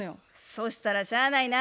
そしたらしゃあないな。